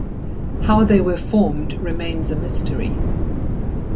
How they were formed remains a mystery.